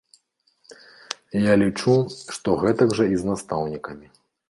Я лічу, што гэтак жа і з настаўнікамі.